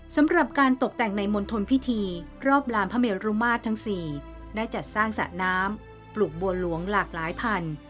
สำหรับการตกแต่งในมณฑลพิธีรอบลานพระเมรุมาตรทั้ง๔ได้จัดสร้างสระน้ำปลูกบัวหลวงหลากหลายพัน